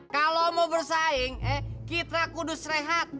kalo mau bersaing kita kudus rehat